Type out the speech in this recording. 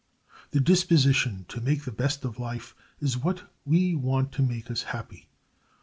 The disposition to make the best of life is what we want to make us happy.